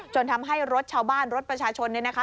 ทำให้รถชาวบ้านรถประชาชนเนี่ยนะคะ